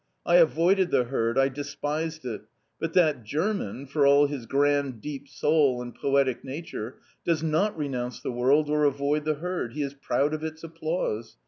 I avoided J the herd, I despised it ; but that German, for all his grand deep soul and poetic nature, does not renounce the world or avoid the herd ; he is proud of its applause.